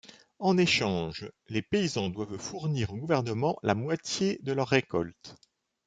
En échange, les paysans doivent fournir au gouvernement la moitié de leurs récoltes.